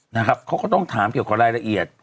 นะครับเขาก็ต้องถามเกี่ยวกับรายละเอียด